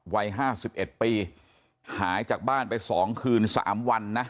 วัยห้าสิบเอ็ดปีหายจากบ้านไปสองคืนสามวันนะ